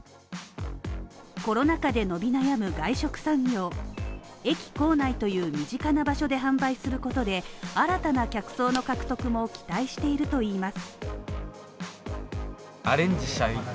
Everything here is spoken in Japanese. コロナ禍で伸び悩む外食産業駅構内という身近な場所で販売することで新たな客層の獲得も期待しているといいます。